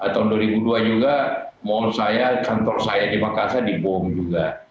tahun dua ribu dua juga mall saya kantor saya di makassar dibom juga